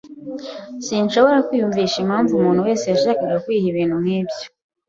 Sinshobora kwiyumvisha impamvu umuntu wese yashaka kwiba ibintu nkibyo.